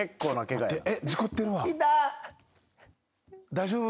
大丈夫？